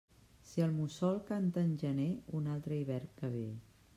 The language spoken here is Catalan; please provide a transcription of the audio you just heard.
Si el mussol canta en gener, un altre hivern que ve.